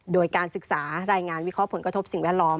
โดยการศึกษารายงานวิเคราะห์ผลกระทบสิ่งแวดล้อม